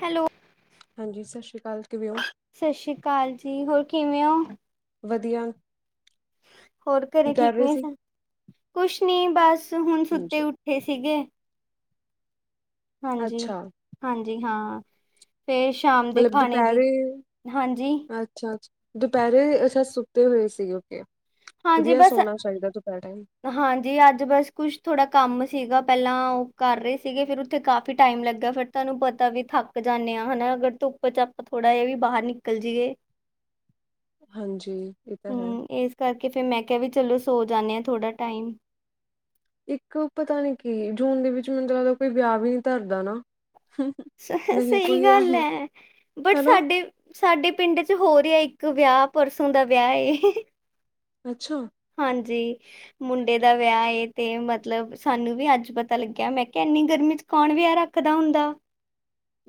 Hello ਹਾਂਜੀ, ਸਤਿ ਸ਼੍ਰੀ ਅਕਾਲ, ਕਿਵੇਂ ਹੋ ਸਤਿ ਸ਼੍ਰੀ ਅਕਾਲ ਜੀ, ਹੋਰ ਕਿਵੇਂ ਹੋ ਵਧੀਆ ਹੋਰ ਕੀ ਘਰੇ ਕਰ ਠੀਕ ਰਹੇ ਨੇ ਸੀ ਸਬ, ਕੁੱਛ ਨੀ ਬਸ ਹੁਣ ਸੁੱਤੇ ਹਾਂਜੀ ਉੱਠੇ ਸੀਗੇ ਹਾਂਜੀ, ਅੱਛਾ ਹਾਂਜੀ ਹਾਂ ਫਿਰ ਸ਼ਾਮ ਦੇ ਮਤਲਬ ਖਾਣੇ ਦੀ, ਦੁਪਹਿਰੇ ਹਾਂਜੀ ਅੱਛਾ, ਦੁਪਹਿਰੇ ਅੱਛਾ ਸੁੱਤੇ ਹੋਏ ਸੀ ਉਕੇ ਹਾਂਜੀ ਵਧੀਆ ਬਸ ਸੋਣਾ ਚਾਹੀਦਾ ਦੁਪਹਿਰੇ ਹਾਂਜੀ ਅੱਜ ਬਸ ਕੁੱਛ ਥੋੜ੍ਹਾ ਕੰਮ ਸੀਗਾ, ਪਹਿਲਾਂ ਉਹ ਕਰ ਰਹੇ ਸੀਗੇ ਫਿਰ ਉੱਥੇ ਕਾਫ਼ੀ ਟਾਈਮ ਲੱਗਾ ਫਿਰ ਤੁਹਾਨੂੰ ਪਤਾ ਵੀ ਥੱਕ ਜਾਂਦੇ ਹਾਂ, ਹਨਾ ਅਗਰ ਧੁੱਪ ਚੱ ਆਪਾਂ, ਥੋੜ੍ਹਾ ਜਿਹਾ ਵੀ ਬਾਹਰ ਨਿਕਲ ਜਾਈਏ ਹਾਂਜੀ, ਇਹ ਤਾਂ ਹੈ ਹੂੰ, ਇਸ ਕਰਕੇ ਫਿਰ ਮੈਂ ਕਿਹਾ ਵੀ ਚਲੋ ਸੋ ਜਾਂਦੇ ਹਾਂ ਥੋੜ੍ਹਾ ਟਾਈਮ ਇੱਕ ਪਤਾ ਨੀ ਕੀ, ਜੂਨ ਦੇ ਵਿੱਚ ਮੈਨੂੰ ਲੱਗਦਾ ਕੋਈ ਵਿਆਹ ਵੀ ਨੀ ਧਰਦਾ ਨਾ ਸ ਨਹੀਂ ਸਹੀ ਕੋਈ ਗੱਲ ਐਵੇਂ ਹੈ, ਬਟ ਹਨਾ ਸਾਡੇ ਸਾਡੇ ਪਿੰਡ ਚੱ ਹੋ ਰਿਹਾ ਇੱਕ ਵਿਆਹ, ਪਰਸੋਂ ਦਾ ਵਿਆਹ ਏ ਅੱਛਾ ਹਾਂਜੀ ਮੁੰਡੇ ਦਾ ਵਿਆਹ ਏ, ਤੇ ਮਤਲਬ ਸਾਨੂੰ ਵੀ ਅੱਜ ਪਤਾ ਲੱਗਿਆ, ਮੈਂ ਕਿਹਾ ਇੰਨੀ ਗਰਮੀਂ 'ਚ ਕੌਣ ਵਿਆਹ ਰੱਖਦਾ ਹੁੰਦਾ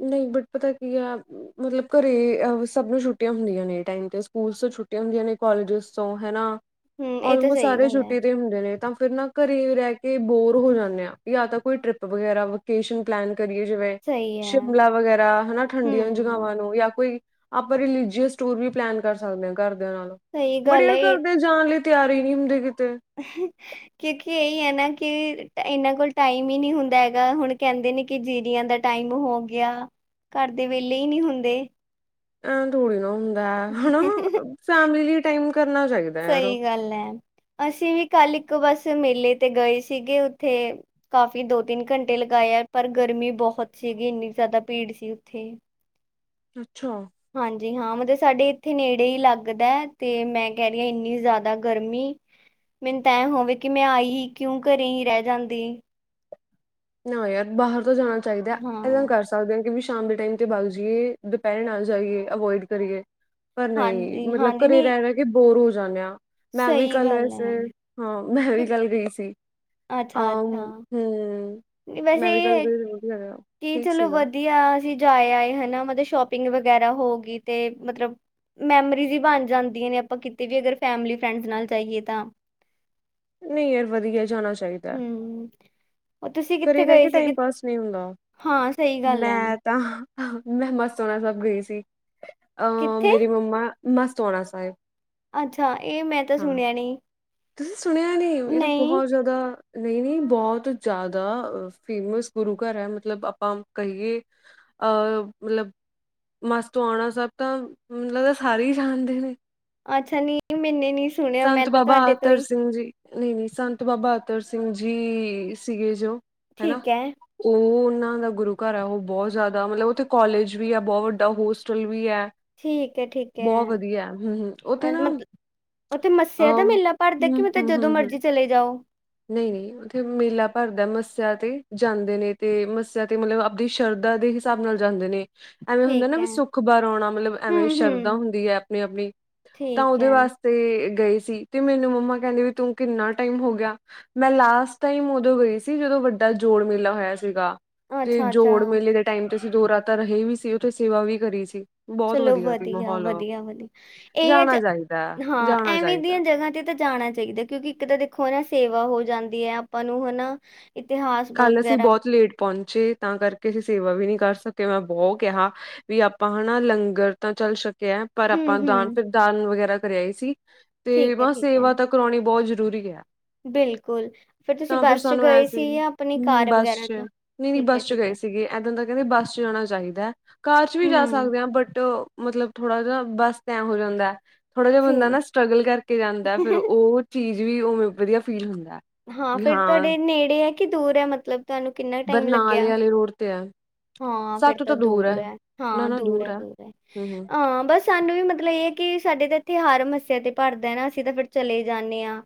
ਨਹੀਂ ਬਟ, ਪਤਾ ਕੀ ਆ ਮਤਲਬ ਘਰੇ ਸਭ ਨੂੰ ਛੁੱਟ ਹੁੰਦੀਆਂ ਨੇ, ਟਾਈਮ ਤੇ ਸਕੂਲ ਤੋਂ ਛੁਟੀਆਂ ਹੁੰਦੀਆਂ ਨੇ ਕਾਲਜਸ ਤੋਂ ਹਨਾ ਹੂੰ ਇਹ ਤਾਂ ਆਲਮੋਸਟ ਸਹੀ ਸਾਰੇ ਗੱਲ ਹੈ। ਛੁੱਟੀ ਹੁੰਦੇ ਨੇ, ਤਾਂ ਫਿਰ ਨਾ ਘਰੇ ਰਹਿ ਕੇ ਬੋਰ ਹੋ ਜਾਂਦੇ ਆ, ਜਾਂ ਤਾਂ ਕੋਈ ਟਰਿਪ ਵਗੈਰਾ ਵਿਕੈਸ਼ਨ ਪਲੈਨ ਕਰੀਏ ਜਿਵੇਂ, ਸਹੀ ਹੈ ਸ਼ਿਮਲਾ ਵਗੈਰਾ ਹਨਾ ਠੰਡੀਆਂ ਹੂੰ ਜਗ੍ਹਾਵਾਂ ਨੂੰ ਜਾਂ ਕੋਈ ਆਪਾਂ ਰਲੀਜੀਅਸ ਟੂਰ ਵੀ ਪਲੈਨ ਕਰ ਸਕਦੇ ਹਾਂ ਘਰਦਿਆਂ ਨਾਲ, ਸਹੀ ਬਟ ਗੱਲ ਹੈ ਯਾਰ ਇਹ ਘਰਦੇ ਜਾਣ ਲਈ ਤਿਆਰ ਹੀ ਨਹੀਂ ਹੁੰਦੇ ਕਿਤੇ ਅ [unintelligible] ਕਿਉਂਕਿ ਇਹੀ ਹੈ ਨਾ ਕਿ, ਇਹਨਾਂ ਕੋਲ ਟਾਈਮ ਹੀ ਨਹੀਂ ਹੁੰਦਾ ਹੈਗਾ, ਹੁਣ ਕਹਿੰਦੇ ਨੇ ਕਿ ਜੀਰੀਆਂ ਦਾ ਟਾਈਮ ਹੋ ਗਿਆ, ਘਰ ਦੇ ਵੇਲੇ ਹੀ ਨਹੀਂ ਹੁੰਦੇ ਐਂ ਥੋੜੀ ਨਾ ਹੁੰਦਾ ਹੈ, ਹਨਾ, ਫੈਮਲੀ ਲਈ ਟਾਈਮ ਕਰਨਾ ਚਾਹੀਦਾ ਯਾਰ ਕਰਲੈ ਅਸੀਂ ਵੀ ਕੱਲ ਇੱਕ ਬਸ ਮੇਲੇ ਤੇ ਗਏ ਸੀਗੇ ਉੱਥੇ ਕਾਫ਼ੀ ਦੋ ਤਿੰਨ ਘੰਟੇ ਲਗਾਏ ਆਏ, ਪਰ ਗਰਮੀਂ ਬਹੁਤ ਸੀਗੀ ਇੰਨੀ ਜ਼ਿਆਦਾ ਭੀੜ ਸੀ ਉੱਥੇ ਅੱਛਾ ਹਾਂਜੀ ਹਾਂ, ਮਤਲਬ ਸਾਡੇ ਇੱਥੇ ਨੇੜੇ ਹੀ ਲੱਗਦਾ, ਤੇ ਮੈਂ ਕਹਿ ਰਹੀ ਹਾਂ ਇੰਨੀ ਜ਼ਿਆਦਾ ਗਰਮੀਂ ਮੈਨੂੰ ਤਾਂ ਐਵੇ ਹੋਵੇ ਕਿ ਮੈਂ ਆਈ ਹੀ ਕਿਉਂ, ਘਰੇ ਹੀ ਰਹਿ ਜਾਂਦੀ ਨਾ ਯਾਰ, ਬਾਹਰ ਤੋਂ ਜਾਣਾ ਚਾਹੀਦਾ, ਇਦਾਂ ਨਾਂ ਹਾਂ। ਕਰ ਸਕਦੇ ਹਾਂ ਕਿ ਵੀ ਸ਼ਾਮ ਦੇ ਟਾਈਮ ਤੇ ਬਗ ਜਾਈਏ, ਦੁਪਹਿਰੇ ਨਾਲ ਜਾਈਏ, ਅਵੋਇਡ ਕਰੀਏ ਪਰ ਨਹੀਂ, ਹਾਂਜੀ ਮਤਲਬ ਹਾਂਜੀ ਘਰੇ ਨਹੀਂ ਰਹਿ- ਰਹਿ ਕੇ ਬੋਰ ਹੋ ਜਾਂਦੇ ਆ, ਮੈਂ ਵੀ ਸਹੀ ਕੱਲ ਗੱਲ ਵੈਸੇ ਹੈ। ਹਾਂ, ਮੈਂ ਵੀ ਕੱਲ ਗਈ ਸੀ ਅ ਅੱਛਾ-ਅੱਛਾ। ਹੂੰ ਨੀ ਵੈਸੇ ਮੈਂ ਵੀ ਕੱਲ ਏਹ ਗਈ ਸੀ ਵਧੀਆ ਕੀ ਠੀਕ ਚਲੋ ਸੀਗਾ ਵਧੀਆ ਅਸੀ ਜਾਯ ਆਏ ਹੈਨਾ ਮਤਲਬ ਸ਼ੋਪਿੰਗ ਵਗੈਰਾ ਹੋ ਗੀ ਤੇ ਮਤਲਬ ਮੈਮਰੀਜ਼ ਹੀ ਬਣ ਜਾਂਦੀਆਂ ਨੇ ਆਪਾਂ ਕਿਤੇ ਵੀ ਅਗਰ ਫੈਮਿਲੀ ਫਰੈਂਡਸ ਨਾਲ ਜਾਈਏ ਤਾਂ ਨਈ ਯਾਰ ਵਧੀਐ ਜਾਣਾ ਚਾਈ ਹੂੰ। ਉਹ ਤੁਸੀਂ ਕਿੱਥੇ ਘਰੇ ਰੈ ਗਏ ਕੇ ਟਾਈਮ ਸੀਗੇ ਪਾਸ ਨੀ ਹੁੰਦਾ। ਹਾਂ ਸਹੀ ਗੱਲ ਹੈ ਮੈਂ ਤਾਂ ਮੈਂ ਮਸਤੋਆਣਾ ਸਾਬ ਗਈ ਸੀ। ਅ ਕਿੱਥੇ ਮੇਰੀ ਮੰਮਾ ਮਸਤੋਆਣਾ ਸਾਏਬ ਅੱਛਾ, ਏ ਮੈਂ ਤਾਂ ਸੁਣਿਆ ਨਈ। ਤੁਸੀ ਸੁਣਿਆ ਨੀ ਏ ਤਾਂ ਬੋਹੋਤ ਜਾ ਦਾ ਨਈ-ਨਈ ਬੋਹੋਤ ਜਾਦਾ ਅ ਫੇਮਸ ਗੁਰੂ ਘਰ ਹੈ ਮਤਲਬ ਆਪਾਂ ਕਹੀਏ ਅ ਮਤਲਬ ਮਸਤੋਆਣਾ ਸਾਬ ਤਾਂ ਮੈਨੂੰ ਲਗਦਾ ਸਾਰੇ ਹੀ ਜਾਣਦੇ ਨੇ। ਅੱਛਾ ਨੀ ਮੈਨੇ ਨੀ ਸੰਤ ਬਾਬਾ ਅਤਰ ਸਿੰਘ ਜੀ ਨਈ-ਨਈ ਸੰਤ ਬਾਬਾ ਅਤਰ ਸਿੰਘ ਜੀ ਸੀਗੇ ਜੋ, ਹੈਨਾ। ਠੀਕ ਹੈ ਓਹ ਓਨਾਂ ਦਾ ਗੁਰੂ ਘਰ ਹਾਂ ਓਹ ਬੋਹਤ ਜ਼ਿਆਦਾ ਮਤਲਬ ਓਥੇ ਕੋਲੇਜ ਵੀ ਐ ਬੋਹ ਵੱਡਾ ਹੋਸਟਲ ਵੀ ਐ ਠੀਕ ਹੈ ਠੀਕ ਹੈ ਬੋਹ ਵਧੀਐ। ਹੂੰ-ਹੂੰ ਓਥੇ ਨਾ ਓਥੇ ਮੱਸਿਆ ਦੇ ਅਮ ਮੇਲਾ ਭਰਦੈ ਕਿ ਮਤਲਬ ਜਦੋਂ ਮਰਜੀ ਚਲੇ ਜਾਓ। ਨਈ-ਨਈ ਓਥੇ ਮੇਲਾ ਭਰਦੈ ਮਸਿਆ ਤੇ ਜਾਂਦੇ ਨੇ ਤੇ ਮਸਿਆ ਤੇ ਮਤਲਬ ਆਪਦੀ ਸ਼ਰਧਾ ਦੇ ਹਿ ਸਾਬ ਨਾਲ ਜਾਂਦੇ ਨੇ। ਐਵੇਂ ਹੁੰਦੈ ਠੀਕ ਨਾ ਹੈ ਵੀ ਸੁੱਖ ਬਾਰੋਂ ਆਣਾ ਮਤਲਬ ਐਵੇਂ ਹੂੰ ਸ਼ਰਧਾ ਹੂੰ ਹੁੰਦੀ ਐ ਆਪਣੀ-ਆਪਣੀ ਠੀਕ ਓਦੇ ਹੈ ਵਾਸਤੇ ਗਏ ਸੀ ਤੇ ਮੇਨੂੰ ਮੰਮਾ ਕੈਂਦੇ ਵੀ ਤੂੰ ਕਿੰਨਾ ਟਾਈਮ ਹੋ ਗਿਆ ਮੈਂ ਲਾਸਟ ਟਾਈਮ ਓਦੋਂ ਗਈ ਸੀ ਜਦੋਂ ਵੱਡਾ ਜੋੜ ਮੇਲਾ ਹੋਏਆ ਸੀਗਾ। ਤੇ ਅੱਛਾ ਜੋੜ ਅੱਛਾ ਮੇਲੇ ਦੇ ਟਾਈਮ ਤੇ ਅਸੀ ਦੋ ਰਾਤਾਂ ਰਹੇ ਵੀ ਸੀ ਉਥੇ ਸੇਵਾ ਵੀ ਕਰੀ ਸੀ। ਬਹੁਤ ਚਲੋ ਸੀ ਵਧੀਆ, ਮਾਹੌਲ ਵਧੀਆ, ਵਧੀਆ। ਏ ਐ ਜਾਣਾ ਤ, ਚਾਹੀਦਾ ਹੈ, ਹਾਂ ਜਾਣਾ ਐਵੇਂ ਚਾਹੀਦਾ ਦੀਆਂ ਜਗ੍ਹਾ ਤੇ ਤਾਂ ਜਾਣਾ ਚਾਈਦੈ ਕਿਉਂਕਿ ਇੱਕ ਤਾਂ ਦੇਖੋ ਓ ਨਾ ਸੇਵਾ ਹੋ ਜਾਂਦੀ ਐ ਆਪਾਂ ਨੂੰ, ਹਨਾ ਇਤਿਹਾਸ ਬ ਗੈਰਾ ਪੌਂਚੇ ਤਾਂ ਕਰਕੇ ਅਸੀ ਸੇਵਾ ਵੀ ਨੀ ਕਰ ਸਕੇ। ਮੈਂ ਬੋਹੋ ਕਿਹਾ ਵੀ ਆਪਾਂ ਹਨਾ ਲੰਗਰ ਤਾਂ ਚੱਲ ਸ਼ਕੇਐ ਪਰ ਹੂੰ ਆਪਾਂ ਦਾਨ ਹੂੰ ਫੇਰ ਦਾਲ ਵਗੈਰਾ ਧਰ ਆਈ ਸੀ ਤੇ ਠੀਕ ਹੈ ਵ ਠੀਕ ਹੈ ਸੇਵਾ ਤ ਕਰੌਣੀ ਬੋਤ ਜ਼ਰੂਰੀ ਐ। ਬਿਲਕੁਲ, ਫੇਰ ਤੁਸੀ ਬਸ 'ਚ ਗਏ ਸੀ ਯਾਂ ਹੂੰ, ਬਸ 'ਚ। ਨਈ-ਨਈ ਬਸ 'ਚ ਗਏ ਹੈ ਸੀਗੇ। ਐਦਾਂ ਦਾ ਕੇਂਦੇ ਬਸ 'ਚ ਜਾਣਾ ਚਾਹੀਦੈ। ਕਾਰ 'ਚ ਵੀ ਜਾ ਹੂੰ ਸਕਦੇ ਆਂ ਬਟ ਮਤਲਬ ਥੋੜਾ ਜੇਆ ਬਸ ਤੈ ਹੋ ਜਾਂਦੈ ਥੋੜਾ ਜੇਆ ਬੰਦਾ ਠੀਕ ਨਾ ਸਟ੍ਰਗਲ ਕਰਕੇ ਜਾਂਦੈ ਫੇਰ ਓ ਚੀਜ ਵੀ ਓਵੇਂ ਵਧੀਆ ਫੀਲ ਹੁੰਦੈ। ਹਾਂ ਫੇਰ ਤੁਆਡੇ ਨੇੜੇ ਐ ਕੇ ਦੂਰ ਐ ਮਤਲਬ ਤੁਆਨੂੰ ਕਿੰਨਾ ਟਾਈਮ ਲੱਗੇਆ? ਬਰਨਾਲੇ ਵਾਲੇ ਰੋਡ ਤੇ ਆ ਹਾਂ, ਫੇਰ ਤਾਂ ਦੂਰ ਐ। ਨਾ ਹਾਂ ਨਾ ਦੂਰ ਐ, ਆ ਦੂਰ ਐ। ਹੂੰ ਹੂੰ ਆਂ ਬਸ ਤਾਨੂੰ ਵੀ ਮਤਲਬ ਏ ਐ ਕਿ ਸਾਡੇ ਤਾਂ ਏੱਥੇ ਹਰ ਮਸਿਆ ਤੇ ਭਰਦੈ ਨਾ ਅਸੀ ਤਾਂ ਫੇਰ ਚਲੇ ਜਾਂਨੇ ਆਂ।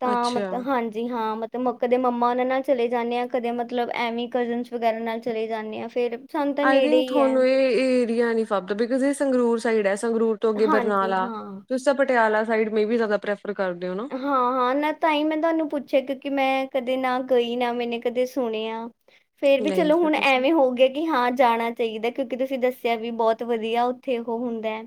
ਤਾਂ ਅੱਛਾ ਮਤਲਬ, ਹਾਂਜ ਜੀ ਹਾਂ ਮਤਲਬ ਮ ਕਦੇ ਮੰਮਾ ਓਨਾਂ ਨਾਲ ਚਲੇ ਜਾਂਨੇ ਆਂ ਕਦੇ ਮਤਲਬ ਐਵੇਂ ਕਜ਼ਨਸ ਵਗੈਰਾ ਨਾਲ ਚਲੇ ਜਾਂਨੇ ਆਂ ਫੇਰ ਆਈ ਥਿੰਕ ਥੋਆਨੂੰ ਏ ਏਅ ਏਰੀਆ ਨੀ ਫਬਦੇ ਬਿਕੋਜ ਏ ਸੰਗਰੂਰ ਸਾਈਡ ਐ। ਸੰਗਰੂਰ ਤੋਂ ਅੱਗੇ ਹਾਂਜੀ ਬਰਨਾਲਾ, ਹਾਂ ਤੁਸੀ ਚ ਪਟੇਆਲਾ ਸਾਈਡ ਮੈਂ ਬੀ ਜ਼ਾਦਾ ਪ੍ਰੈਫਰ ਕਾਰਦੇ ਓ ਨਾ। ਹਾਂ-ਹਾਂ ਨਾ ਤਾਂ ਈ ਮੈਂ ਤਾਂਨੂੰ ਪੁੱਛੇਆ ਕਿਉਂਕਿ ਮੈਂ ਕਦੇ ਨਾ ਗਈ ਨਾ ਮੈਨੇ ਕਦੇ ਸੁਣਿਆ। ਫਿਰ ਵੀ ਨਹੀਂ ਚਲੋ ਫਿਰ ਹੁਣ ਤੁਸੀਂ ਐਵੇਂ ਹੋ ਗਏ। ਕਿ ਹਾਂ ਜਾਣਾ ਚਾਹੀਦਾ ਕਿਉਂਕਿ ਤੁਸੀਂ ਦੱਸਿਆ ਵੀ ਬਹੁਤ ਵਧੀਆ ਉੱਥੇ ਉਹ ਹੁੰਦਾ ਹੈ।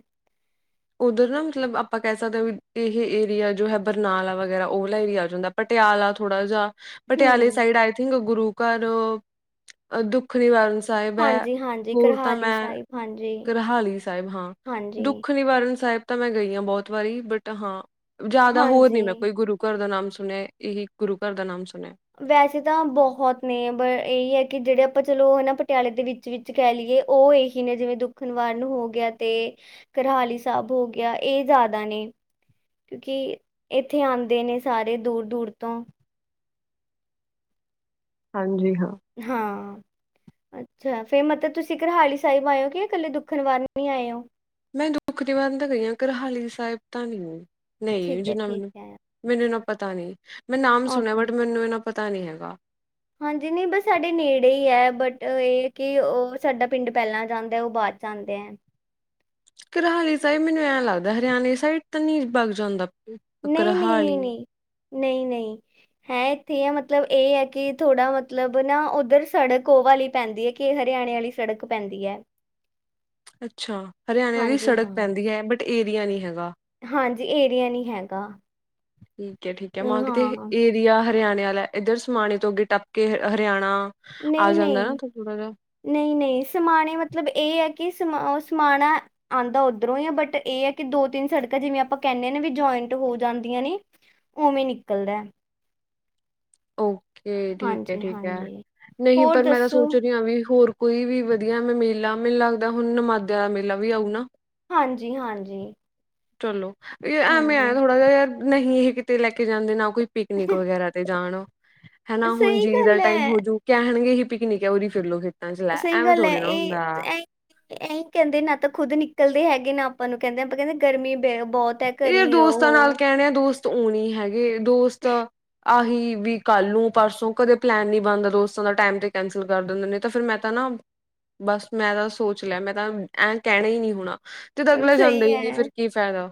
ਉਧਰ ਨਾ ਮਤਲਬ ਆਪਾਂ ਕਹਿ ਸਕਦੇ ਵੀ ਇਹ ਏਰੀਆ ਜੋ ਹੈ ਬਰਨਾਲਾ ਵਗੈਰਾ ਉਹ ਓਲਾ ਆ ਜਾਂਦਾ। ਪਟਿਆਲਾ ਥੋੜਾ ਜਿਹਾ ਪਟਿਆਲੇ ਹੂੰ ਸਾਈਡ ਆਈ ਥਿੰਕ ਗੁਰੂ ਘਰ ਦੁੱਖ ਵਾਰਨ ਸਾਹਿਬ ਹੈ ਹਾਂਜੀ ਹਾਂਜੀ ਹੋਰ ਤਾਂ ਕਰਹਾਲੀ ਮੈਂ ਸਾਹਿਬ ਹਾਂਜੀ ਕਰਹਾਲੀ ਸਾਹਿਬ ਹਾਂ ਹਾਂਜੀ ਦੁੱਖ ਦੁੱਖਵਾਰਨ ਸਾਹਿਬ ਤਾਂ ਮੈਂ ਗਈ ਹਾਂ ਬਹੁਤ ਵਾਰੀ ਬਟ ਹਾਂ ਜ਼ਿਆਦਾ ਹੋਰ ਨੀ ਹਾਂਜੀ ਮੈਂ ਕੋਈ ਗੁਰੂ ਗੁਰੂ ਘਰ ਦਾ ਨਾਮ ਸੁਣਿਆ! ਇਹੀ ਗੁਰੂ ਘਰ ਦਾ ਨਾਮ ਸੁਣਿਆ। ਵੈਸੇ ਤਾਂ ਬਹੁਤ ਨੇ ਇਹੀ ਹੈ ਕਿ ਜਿਹੜੇ ਆਪਾਂ ਚਲੋ ਹਨ ਨਾ ਪਟਿਆਲੇ ਦੇ ਵਿੱਚ ਵਿੱਚ ਕਹਿ ਲਈਏ ਉਹ ਇਹੀ ਨੇ ਜਿਵੇਂ ਦੁੱਖ ਵਾਰਨ ਹੋ ਗਿਆ ਤੇ ਕਰਹਾਲੀ ਸਾਹਿਬ ਹੋ ਗਿਆ ਇਹ ਜ਼ਿਆਦਾ ਨੇ। ਕਿਉਂਕਿ ਇੱਥੇ ਆਉਂਦੇ ਨੇ ਸਾਰੇ ਦੂਰ ਦੂਰ ਤੋਂ ਹਾਂਜੀ ਹਾਂ ਹਾਂ ਅੱਛਾ ਫਿਰ ਮਤਲਬ ਤੁਸੀਂ ਕਰਹਾਲੀ ਸਾਹਿਬ ਆਏ ਹੋ ਕਿ ਇਕੱਲੇ ਦੁੱਖਣ ਵਾਰ ਨੂ ਹੀ ਆਏ ਹੋ ਮੈਂ ਦੁੱਖ [unintelligible] ਤਾਂ ਗਹੀ ਆ ਕਰਹਾਲੀ ਸਾਹਿਬ ਤਾਂ ਨੀ ਨਹੀਂ ਠੀਕ ਹੈ ਜਿੰਨਾ ਠੀਕ ਨੂੰ ਹੈ ਮੈਨੂੰ ਇਨਾ ਪਤਾ ਨੀ ਮੈਂ ਨਾਮ ਸੁਣਿਆ ਓਕੇ ਬਟ ਮੈਨੂੰ ਇਹਨਾ ਪਤਾ ਨਹੀਂ ਹੈਗਾ ਹਾਂਜੀ ਨਹੀਂ ਬਸ ਸਾਡੇ ਨੇੜੇ ਹੀ ਹੈ ਬਟ ਇਹ ਕਿ ਉਹ ਸਾਡਾ ਪਿੰਡ ਪਹਿਲਾਂ ਆ ਜਾਂਦਾ ਉਹ ਬਾ ਜਾਂਦੇ ਐਂ ਕਰਹਾਲੀ ਸਾਹਿਬ ਮੈਨੂੰ ਐਂ ਲੱਗਦਾ ਹਰਿਆਣੇ ਸਾਈਡ ਤੇ ਨੀ ਬੱਲ ਜਾਂਦਾ ਨਹੀਂ ਨਹੀਂ ਕਰਹਾਲੀ ਨਹੀਂ ਨਹੀਂ ਨਹੀਂ ਨਹੀਂ ਹੈ ਇੱਥੇ ਆ ਮਤਲਬ ਇਹ ਹੈ ਕਿ ਥੋੜਾ ਮਤਲਬ ਨਾ ਉੱਧਰ ਸੜਕ ਉਹ ਵਾਲੀ ਪੈਂਦੀ ਹੈ। ਕਿ ਹਰਿਆਣੇ ਵਾਲੀ ਸੜਕ ਪੈਂਦੀ ਹੈ। ਅੱਛਾ ਹਰਿਆਣੇ ਵਾਲੀ ਹਾਂਜੀ ਸੜਕ ਹਾਂ ਪੈਂਦੀ ਹੈ ਬਟ ਏਰੀਆ ਨੀ ਹੈਗਾ ਹਾਂਜੀ ਏਰੀਆ ਨੀ ਹੈਗਾ ਠੀਕ ਹੈ ਠੀਕ ਹੈ ਅਮ, ਮੰਗ ਦੇ ਹਾਂ ਇਹ ਇਹ ਹਰਿਆਣੇ ਵਾਲਾ ਇੱਧਰ ਸਮਾਣੇ ਤੋਂ ਅੱਗੇ ਟੱਪ ਕੇ ਹਰਿਆਣਾ ਆ ਨਹੀਂ ਜਾਂਦਾ ਨਹੀਂ ਨਾ ਤਾਂ ਥੋੜਾ ਜਿਹਾ ਨਹੀਂ ਨਹੀਂ ਸਮਾਣੇ ਮਤਲਬ ਇਹ ਹੈ ਕਿ ਉਹ ਸਮਾਣਾ ਆਉਂਦਾ ਓਧਰੋਂ ਆ ਬਟ ਇਹ ਏ ਕਿ ਦੋ ਤਿੰਨ ਸੜਕਾਂ ਜਿਵੇਂ ਆਪਾਂ ਕਹਿੰਣੇ ਆ ਵੀ ਜੁਆਇੰਟ ਹੋ ਜਾਂਦੀਆਂ ਨੇ ਉਵੇਂ ਨਿਕਲਦਾ ਹੈ। ਓਕੇ ਠੀਕ ਹੈ ਹਾਂਜੀ ਠੀਕ ਹੈ ਹਾਂਜੀ ਨਹੀਂ ਹੋਰ ਪਰ ਮੈਂ ਤਾਂ ਦੱਸੋ ਸੋਚ ਰਹੀ ਹਾਂ ਵੀ ਹੋਰ ਕੋਈ ਵੀ ਵਧੀਆ ਮੇਲਾ ਮੈਨੂੰ ਲੱਗਦਾ ਹੁਣ ਨਮਾਦਿਆਂ ਦਾ ਮੇਲਾ ਵੀ ਆਊ ਨਾ ਹਾਂਜੀ ਹਾਂਜੀ ਚਲੋ ਐਵੇਂ ਏ ਹਾਂਜੀ ਥੋੜਾ ਜਿਹਾ ਯਾਰ ਨਹੀਂ ਇਹ ਕਿਤੇ ਲੈ ਕੇ ਜਾਂਦੇ ਨਾ ਕੋਈ ਪਿਕਨਿਕ ਵਗੈਰਾ ਤੇ ਜਾਣਾ ਹਨਾ ਹੁਣ ਸਹੀ ਜੀ ਦਾ ਗੱਲ ਟਾਈਮ ਹੈ ਹੋ ਜੂ ਕਹਿਣਗੇ ਏਹੀ ਪਿਕਨਿਕ ਹੈ ਉਰੀ ਫਿਰਲੋ ਫਿਰ ਚ ਲੈ ਐਵੇਂ ਸਿੰਗਲ ਹੈ ਥੋੜ੍ਹੀ ਨਾ ਇਹ ਹੁੰਦਾ ਤੇ ਐ ਇਹੀ ਕਹਿੰਦੇ ਨਾ ਤਾਂ ਖੁੱਦ ਨਿਕਲਦੇ ਹੈਗੇ ਨਾ ਆਪਾਂ ਨੂੰ ਕਹਿੰਦੇ ਆਪਾਂ ਕਹਿੰਦੇ ਗਰਮੀ ਬਹੁਤ ਹੈ ਘਰੇ ਇਹ ਹੀ ਦੋਸਤਾਂ ਨਾਲ ਰਹੋ ਕਹਿਣੇ ਦੋਸਤ ਉਹ ਨਹੀਂ ਹੈਗੇ ਦੋਸਤ ਆਹੀ ਵੀ ਕੱਲ ਨੂੰ ਪਰਸੋਂ ਕਦੇ ਪਲੈਨ ਨੀ ਬਣਦਾ ਦੋਸਤਾਂ ਦਾ ਟਾਈਮ ਤੇ ਕੈਂਸਲ ਕਰ ਦਿੰਦੇ ਨੇ ਤਾਂ ਫਿਰ ਮੈਂ ਹਨਾ ਬਸ ਮੈਂ ਤਾਂ ਸੋਚ ਲਿਆ ਮੈਂ ਤਾਂ ਐ ਕਹਿਣਾ ਹੀ ਨਹੀਂ ਹੋਣਾ ਜਦ ਅਗਲੇ ਜਾਂਦਾ ਹੀ ਨੀ ਫਿਰ ਕੀ ਫਾਇਦਾ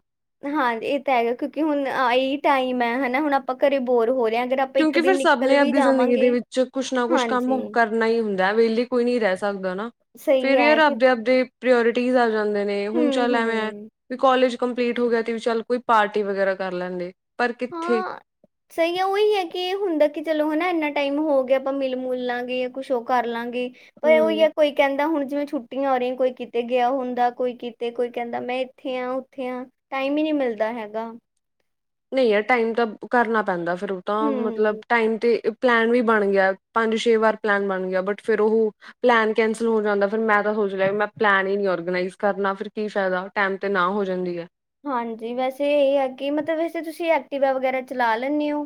ਹਾਂਜੀ ਇਹ ਤਾਂ ਹੈਗਾ ਕਿਉਂਕਿ ਹੁਣ ਆਈ ਇਹੀ ਟਾਈਮ ਹੈ ਹਨਾ ਹੁਣ ਆਪਾਂ ਘਰੇ ਬੋਰ ਹੋ ਰਹੇ ਹਾਂ ਅਗਰ ਆਪਾਂ ਇੱਕ ਕਿਉਂਕਿ ਦਿਨ ਫਿਰ ਸਭ ਨਿਕਲ ਨੇ ਵੀ ਆਪਦੀ ਜ਼ਿੰਦਗੀ ਦੇ ਜਾਵਾਂਗੇ ਵਿੱਚ ਕੁੱਛ ਨਾ ਕੁੱਛ ਹਾਂਜੀ ਕੰਮ ਕਰ ਨਈ ਹੁੰਦਾ ਵੇਲੇ ਕੋਈ ਨੀ ਰੈ ਸਕਦਾ ਨਾ, ਸਹੀ ਫੇਰ ਹੈ ਯਾਰ ਕਿ ਆਪਦੇ-ਆਪਦੇ ਪ੍ਰੋਅਰਟੀਜ਼ ਆ ਜਾਂਦੇ ਨੇ ਹੁਣ ਹੂੰ ਚੱਲ ਐਵੇਂ ਐਂ, ਹੂੰ ਵੀ ਕੋਲੇਜ ਕੰਪਲੀਟ ਹੋ ਗਿਆ ਤੇ ਵੀ ਚੱਲ ਕੋਈ ਪਾਰਟੀ ਵਗੈਰਾ ਕਰ ਲੈਂਦੇ। ਪਰ ਕਿੱਥੇ? ਹਾਂ ਸਹੀ ਐ ਉਹੀ ਏ ਕਿ ਇਹ ਹੁੰਦਾ ਕਿ ਚਲੋ ਹੁਣ ਇੰਨਾ ਟਾਈਮ ਹੋ ਗਿਆ ਆਪਾਂ ਮਿਲ ਮੁਲ ਲਾਂਗੇ, ਕੁਛ ਉਹ ਕਰ ਲਾਂਗੇ। ਉਹ ਇਹੋ ਈ ਆ ਹੂੰ। ਕੋਈ ਕਹਿੰਦਾ ਹੁਣ ਜਿਵੇਂ ਛੁੱਟੀਆਂ ਹੋ ਰਹੀਆਂ ਕੋਈ ਕਿਤੇ ਗਿਆ ਹੁੰਦਾ, ਕੋਈ ਕਿਤੇ ਕੋਈ ਕਹਿੰਦਾ ਮੈਂ ਇੱਥੇ ਆ, ਉੱਥੇ ਆ ਟਾਈਮ ਈ ਨੀ ਮਿਲਦਾ ਹੈਗਾ। ਨਹੀਂ ਯਾਰ ਟਾਈਮ ਤਾਂ ਕਰਨਾ ਪੈਂਦਾ ਫਿਰ ਉਹ ਤਾਂ ਮਤਲਬ ਹੂੰ ਟਾਈਮ ਤੇ ਪਲੈਨ ਵੀ ਬਣ ਗਿਆ, ਪੰਜ ਛੇ ਵਾਰ ਪਲੈਨ ਬਣ ਗਿਆ ਬਟ ਫੇਰ ਉਹੋ ਪਲੈਨ ਕੈਂਸਲ ਹੋ ਜਾਂਦਾ ਫਿਰ ਮੈਂ ਤਾਂ ਸੋਚ ਲਿਆ ਵੀ ਮੈਂ ਪਲੈਨ ਈ ਨੀ ਔਰਗਨਾਈਜ਼ ਕਰਨਾ ਫਿਰ ਕੀ ਫਾਇਦਾ। ਟਾਈਮ ਤੇ ਨਾ ਹੋ ਜਾਂਦੀ ਐ। ਹਾਂਜੀ ਵੈਸੇ ਇਹ ਆ ਕਿ ਮਤਲਬ ਵੈਸੇ ਤੁਸੀਂ ਐਕਟੀਵਾ ਵਗੈਰਾ ਚਲਾ ਲੈਂਣੇ ਓਂ।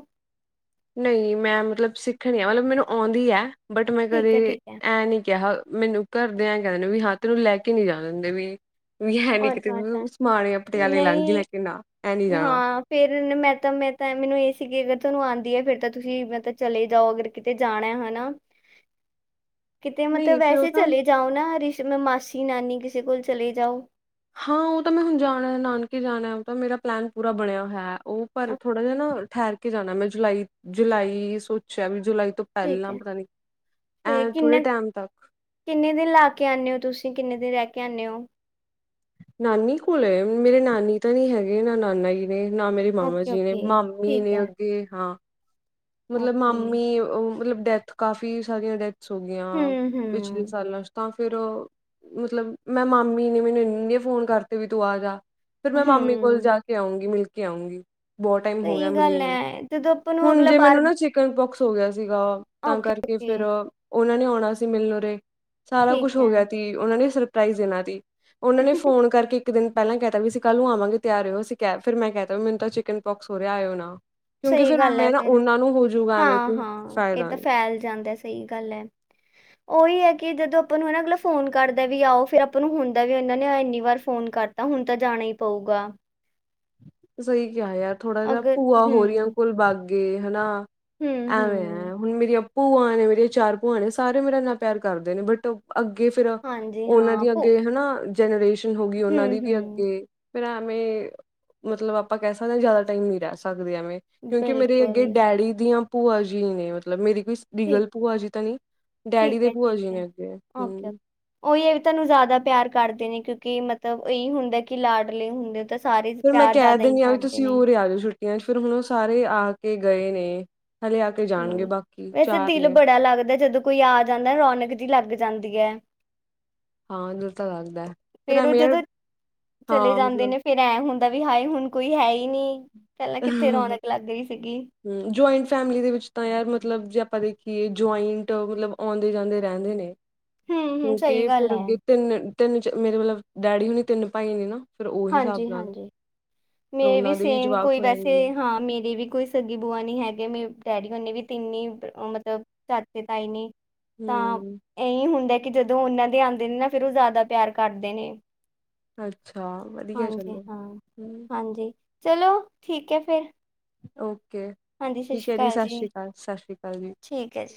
ਨਈਂ, ਮੈਂ ਮਤਲਬ ਸਿੱਖਣੀ ਮਤਲਬ ਮੈਨੂੰ ਆਉਂਦੀ ਐ। ਬਟ ਮੈਂ ਠੀਕ ਕਦੇ ਹੈ ਠੀਕ ਹੈ ਐਂ ਨੀ ਕਿਹਾ ਮੈਨੂੰ ਘਰਦਿਆਂ ਏ ਕੇਦੇਣੇ ਵੀ ਹਾਂ ਤੇਨੂੰ ਲੈ ਕੇ ਨੀ ਜਾਨ ਦਿੰਦੇ ਵੀ ਵੀ ਹੈ ਨੀ ਕਿਤੇ ਅੱਛਾ ਵੀ ਅੱਛਾ ਸਮਾਨ ਪਟਿਆਲੇ ਲੰਘ ਜੂ ਲੈ ਕੇ ਨਾ ਐਂ ਨੀ ਜਾਣਾ। ਫੇਰ ਮੈਂ ਤਾਂ ਮੈਂ ਤਾਂ ਮੈਨੂੰ ਇਹ ਸੀ ਕਿ ਅਗਰ ਤੁਹਾਨੂੰ ਆਂਦੀ ਐ ਫੇਰ ਤਾਂ ਤੁਸੀਂ ਮੈਂ ਚਲੇ ਜਾਓ ਅਗਰ ਕਿਤੇ ਜਾਣਾ ਹਨਾ। [unintelligible] ਕਿਤੇ ਮਤਲਬ ਨਹੀਂ ਫਿਰ ਉਹ ਵੈਸੇ ਤਾਂ ਚਲੇ ਜਾਓ ਨਾ ਰਿਸ਼ ਮਾਸੀ, ਨਾਨੀ ਕਿਸੇ ਕੋਲ ਚਲੇ ਜਾਓ। ਹਾਂ ਉਹ ਤਾਂ ਮੈਂ ਹੁਣ ਜਾਣਾ, ਨਾਨਕੇ ਜਾਣਾ ਉਹ ਤਾਂ ਮੇਰਾ ਪਲੈਨ ਪੂਰਾ ਬਣਿਆ ਹੋਇਆ। ਉਹ ਪਰ ਥੋੜ੍ਹਾ ਜਿਹਾ ਨਾ ਠਹਿਰ ਕੇ ਜਾਣਾ ਮੈਂ ਜੁਲਾਈ ਜੁਲਾਈ ਸੋਚਿਆ ਵੀ ਜੁਲਾਈ ਤੋਂ ਠੀਕ ਪਹਿਲਾਂ ਹੈ ਪਤਾ ਨੀ, ਤੇ ਐਂ ਥੋੜੇ ਕਿੰਨਾ ਟਾਈਮ ਤੱਕ। ਕਿੰਨੇ ਦਿਨ ਲਾ ਕੇ ਆਣੇ ਔ ਤੁਸੀਂ, ਕਿੰਨੇ ਦਿਨ ਰਹਿ ਕੇ ਆਣੇ ਔਂ। ਨਾਨੀ ਕੋਲ, ਮੇਰੇ ਨਾਨੀ ਤਾਂ ਨੀ ਹੈਗੇ ਨਾ ਨਾਨਾ ਜੀ। ਨੇ ਨਾ ਮੇਰੀ ਮਾਮਾ ਓਕੇ ਜੀ ਨੇ, ਓਕੇ ਮਾਮੀ ਠੀਕ ਨੇ ਹੈ ਅੱਗੇ ਹਾਂ। ਮਤਲਬ ਓਕੇ ਮਾਮੀ ਉਹ ਮਤਲਬ ਡੈਥ ਕਾਫੀ ਸਾਰੀਆਂ ਡੈਥਸ ਹੋ ਗਈਆਂ। ਵਿਚ ਹੂੰ ਪਿਛਲੇ ਹੂੰ ਸਾਲਾਂ ਚ ਤਾਂ ਫਿਰ ਮਤਲਬ ਮੈਂ ਮਾਮੀ ਨੇ ਮੈਨੂੰ ਇੰਨੇ ਫੋਨ ਕਰਤੇ ਵੀ ਤੂੰ ਆ ਜਾ। ਫਿਰ ਮੈਂ ਮਾਮੀ ਕੋਲ ਹੂੰ ਜਾ ਕੇ ਆਊਂਂਗੀ, ਮਿਲ ਕੇ ਆਊਂਂਗੀ। ਬਹੁਤ ਟਾਈਮ ਹੋ ਗਿਆ ਸਹੀ ਮਿਲੀ ਗੱਲ ਨ੍ਹੀਂ। ਹੈ ਜਦੋਂ ਆਪਾਂ ਨੂੰ ਹੁਣ ਅਗਲਾ ਜੇ ਬਾਰ ਮੈਨੂੰ ਨਾ ਚਿਕਨ ਪੋਕਸ ਹੋ ਗਿਆ ਸੀਗਾ ਤਾਂ ਓਕੇ ਕਰਕੇ ਓਕੇ ਫਿਰ ਉਹਨਾਂ ਨੇ ਆਉਣਾ ਸੀ ਮਿਲਨ ਉਰੇ ਸਾਰਾ ਠੀਕ ਕੁਛ ਹੋ ਹੈ ਗਿਆ ਤੀ, ਉਹਨਾਂ ਨੇ ਸਰਪ੍ਰਾਈਜ਼ ਦੇਣਾ ਤੀ ਉਹਨਾਂ ਨੇ ਫੋਨ ਕਰਕੇ ਇੱਕ ਦਿਨ ਪਹਿਲਾਂ ਕਹਿ ਤਾ ਵੀ ਅਸੀਂ ਕੱਲ੍ਹ ਨੂੰ ਆਵਾਂਗੇ ਤਿਆਰ ਰੇਓ ਅਸੀ ਕੇ ਫਿਰ ਮੈਂ ਕਹਿਤਾ ਵੀ ਮੈਨੂੰ ਤਾਂ ਚਿਕਨ ਪੋਕਸ ਹੋ ਰਿਹਾ ਆਇਔ ਨਾ। ਕਿਉਂਕਿ ਸਹੀ ਫਿਰ ਆ ਮੈਂ ਨਾ [unintelligible] ਉਹਨਾਂ ਨੂੰ ਹੋਜੂਗਾ ਐਵੇਂ ਹਾਂ ਕੋਈ ਹਾਂ ਇਹ ਫਾਇਦਾ ਤਾਂ ਨਹੀਂ ਫੈਲ ਜਾਂਦਾ ਸਹੀ ਗੱਲ ਐ। ਉਹੀ ਐ ਕਿ ਜਦੋਂ ਆਪਾਂ ਨੂੰ ਹਨਾ ਅਗਲਾ ਫੋਨ ਕਰਦਾ ਵੀ ਆਓ, ਫਿਰ ਆਪਾਂ ਨੂੰ ਹੁੰਦਾ ਵੀ ਇਹਨਾਂ ਨੇ ਇੰਨੀ ਵਾਰ ਫੋਨ ਕਰ ਤਾਂ ਹੁਣ ਤਾਂ ਜਾਣਾ ਹੀ ਪਊਗਾ। ਸਹੀ ਕਿਹਾ ਯਾਰ ਥੋੜਾ ਜਿਹਾ ਅਗਰ ਭੂਆ ਹੋ ਰਹੀਆਂ ਹੂੰ, ਕੋਲ ਬਾਗੇ ਹਨਾਂ। ਹੂੰ, ਐਵੇਂ ਐ, ਹੂੰ, ਹੁਣ ਮੇਰੀਆਂ ਪੂਆਂ ਨੇ, ਮੇਰੇ ਚਾਰ ਭੂਆ ਨੇ ਸਾਰੇ ਮੇਰਾ ਇੰਨਾ ਪਿਆਰ ਕਰਦੇ ਨੇ ਬਟ ਅੱਗੇ ਫਿਰ ਹਾਂਜੀ ਉਹਨਾਂ ਹਾਂ ਦੀ ਭੁ ਅੱਗੇ ਹਨਾ, ਜਨਰੇਸ਼ਨ ਹੋ ਗਈ ਉਹਨਾਂ ਹੂੰ, ਦੀ ਵੀ ਹੂੰ, ਅੱਗੇ ਫਿਰ ਐਮੇਂ ਮਤਲਬ ਆਪਾਂ ਕਹਿ ਸਕਦੇ ਹਾਂ ਜਿਆਦਾ ਟਾਈਮ ਨੀ ਰਹਿ ਸਕਦੇ ਐਵੇਂ ਕਿਉਂਕਿ ਮੇਰੇ ਅੱਗੇ ਬਿਲਕੁਲ ਡੈਡੀ ਦੀਆਂ ਭੂਆ ਜੀ ਨੇ ਮਤਲਬ ਮੇਰੀ ਕੋਈ ਠੀਕ ਡੀਗਲ ਭੂਆ ਜੀ ਤਾਂ ਨੀ, ਡੈਡੀ ਠੀਕ ਦੇ ਹੈ, ਭੂਆ ਠੀਕ ਜੀ ਹੈ, ਨੇ ਅੱਗੇ, ਓਕੇ, ਹਂ। ਉਹੀ ਇਹ ਵੀ ਤੁਹਾਨੂੰ ਜ਼ਿਆਦਾ ਪਿਆਰ ਕਰਦੇ ਨੇ, ਕਿਉਂਕਿ ਮਤਲਬ ਇਹੀ ਹੁੰਦਾ ਕਿ ਲਾਡਲੇ ਹੁੰਦੇ ਹੋ ਤਾਂ ਸਾਰੇ ਫਿਰ ਮੈਂ ਪਿਆਰ ਕਹਿ ਜ਼ਿਆਦਾ ਹੀ ਦਿੰਦੀ ਆ, ਕਰਦੇ ਤੁਸੀਂ ਨੇ, ਉਰੇ ਆ ਜਾ ਛੁੱਟੀ 'ਚ ਫਿਰ ਹੁਣ ਉਹ ਸਾਰੇ ਆ ਕੇ ਗਏ ਨੇ, ਹਲੇ ਆ ਕੇ ਜਾਣਗੇ ਹਮ, ਬਾਕੀ ਵੈਸੇ ਚਾਰ ਦਿਲ ਨੇ ਬੜਾ ਲੱਗਦਾ ਜਦੋਂ ਕੋਈ ਆ ਜਾਂਦਾ ਰੌਨਕ ਜੀ ਲੱਗ ਜਾਂਦੀ ਹੈ ਹਾਂ ਨਿਰਤਾ ਲਗਦਾ ਫੇਰ ਉਹ ਜਦੋਂ, ਚਲੇ ਮਤਲਬ ਜਾਂਦੇ ਨੇ ਫਿਰ ਐਂ ਹੁੰਦਾ ਵੀ ਹਾਏ ਹੁਣ ਕੋਈ ਹੈ ਹੀ ਨੀ, ਪਹਿਲਾਂ ਕਿੱਥੇ ਰੌਣਕ ਲੱਗ ਗਈ ਸੀਗੀ ਹਮ, ਜੁਆਇੰਟ ਫੈਮਿਲੀ ਦੇ ਵਿੱਚ ਤਾਂ ਯਾਰ ਮਤਲਬ ਜੇ ਆਪਾਂ ਦੇਖੀਏ, ਜੁਆਇੰਟ ਮਤਲਬ ਆਉਂਦੇ ਜਾਂਦੇ ਰਹਿੰਦੇ ਨੇ ਹੂੰ, ਹੂੰ, ਸਹੀ ਕਿਉਂਕਿ ਗੱਲ ਫਿਰ ਹੈ, ਅੱਗੇ ਤਿੰਨ, ਤਿੰਨ ਮੇਰੇ ਮਤਲਬ ਡੈਡੀ ਹੁਣੀ ਤਿੰਨ ਭਾਈ ਨੇ ਨਾ ਫਿਰ ਉਹੀ ਹਿਸਾਬ ਹਾਂਜੀ- ਨਾਲ ਹਾਂਜੀ, ਫਿਰ ਮੇਰੇ ਵੀ ਉਹਨਾਂ ਦੇ ਸੇਮ ਜਵਾਕ ਕੋਈ ਹੋ ਜਾਂਦੇ ਵੈਸੇ ਨੇ। ਹਾਂ ਮੇਰੀ ਵੀ ਕੋਈ ਸੱਗੀ ਬੂਆ ਨੀ ਹੈਗੇ ਮੇ, ਡੈਡੀ ਹੋਣੀ ਵੀ ਤਿੰਨ ਮਤਲਬ ਚਾਚੇ ਤਾਈ ਨੀ ਤਾਂ, ਹੂੰ, ਇਹੀ ਹੁੰਦਾ ਕਿ ਜਦੋਂ ਉਹਨਾਂ ਦੇ ਆਉਂਦੇ ਨੇ ਨਾ ਫਿਰ ਉਹ ਜ਼ਿਆਦਾ ਪਿਆਰ ਕਰਦੇ ਨੇ ਅੱਛਾ [unintelligible] ਚਵਰ ਹਾਂਜੀ ਹਾਂ, ਹਾਂਜੀ, ਚਲੋ ਠੀਕ ਹੈ ਫਿਰ ਓਕੇ, ਹਾਂਜੀ ਠੀਕ ਸ਼੍ਰੀ ਹੈ ਜੀ ਅਕਾਲ ਸਤਿ ਸ਼੍ਰੀ ਅਕਾਲ, ਸਤਿ ਸ਼੍ਰੀ ਅਕਾਲ ਜੀ ਠੀਕ ਹੈ ਜੀ